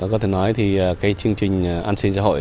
có thể nói thì cái chương trình an sinh xã hội